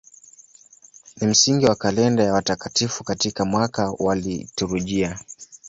Ni msingi wa kalenda ya watakatifu katika mwaka wa liturujia.